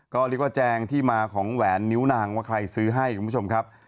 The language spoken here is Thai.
ก็เรียกว่าแจงที่มาของแหวนนิ้วนางว่าใครซื้อให้คุณผู้ชมครับ